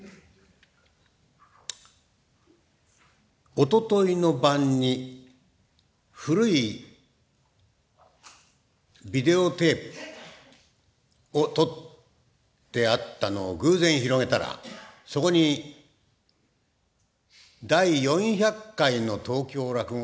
おとといの晩に古いビデオテープをとってあったのを偶然広げたらそこに第４００回の東京落語会っていうのが出てきました。